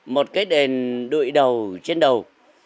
một cái đền đội đầu trên đầu